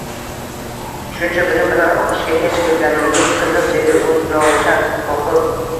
Shuncha bilim bilan o`qishga kech kirganingiz qiziq, dedi u sinovchan boqib